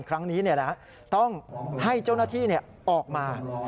ครั้งนี้ต้องให้เจ้าหน้าที่ออกมา